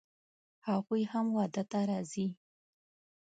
هغوی هم واده ته راځي